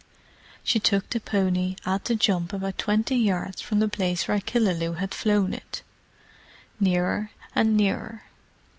She took the pony at the jump about twenty yards from the place where Killaloe had flown it. Nearer and nearer.